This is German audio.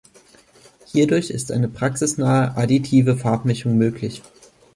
Hierdurch ist eine praxisnahe additive Farbmischung möglich.